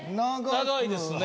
長いですね